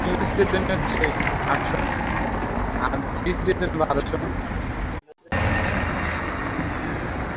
দলে তিনি মূলতঃ ডানহাতে লেগ স্পিন বোলিং করতেন।